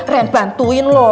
ren bantuin lho